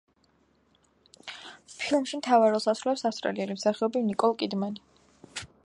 ფილმში მთავარ როლს ასრულებს ავსტრალიელი მსახიობი ნიკოლ კიდმანი.